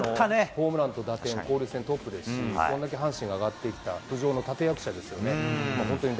ホームランと打点、交流戦トップですし、これだけ阪神が上がってきた、浮上の立て役者ですよね。